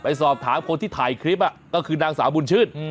สอบถามคนที่ถ่ายคลิปก็คือนางสาวบุญชื่น